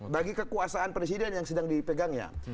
bagi kekuasaan presiden yang sedang dipegangnya